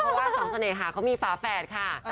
เพราะว่าสองเสน่หาเขามีฝาแฝดค่ะ